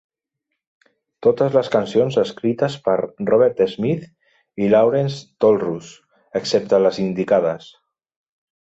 Totes les cançons escrites per Robert Smith i Laurence Tolhurst, excepte les indicades.